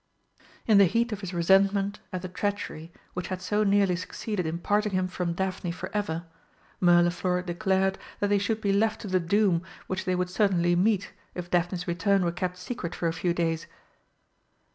In the heat of his resentment at the treachery which had so nearly succeeded in parting him from Daphne for ever, Mirliflor declared that they should be left to the doom which they would certainly meet if Daphne's return were kept secret for a few days.